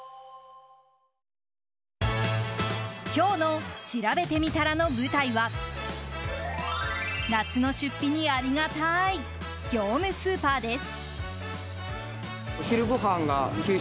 今日のしらべてみたらの舞台は夏の出費にありがたい業務スーパーです。